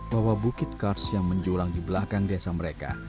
bahwa bukit kars yang menjulang di belakang desa mereka